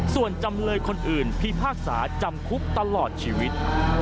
ส่วนจำเลยคนอื่นพิพากษาจำคุกตลอดชีวิต